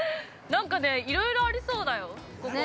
◆なんかいろいろありそうだよ。